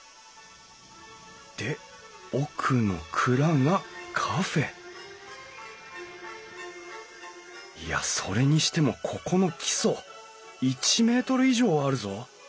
で奥の蔵がカフェいやそれにしてもここの基礎１ｍ以上はあるぞ！